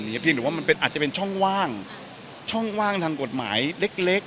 เพียงแต่ว่ามันอาจจะเป็นช่องว่างช่องว่างทางกฎหมายเล็ก